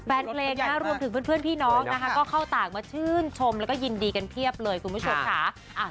แฟนเพลงนะรวมถึงเพื่อนพี่น้องนะคะก็เข้าต่างมาชื่นชมแล้วก็ยินดีกันเพียบเลยคุณผู้ชมค่ะ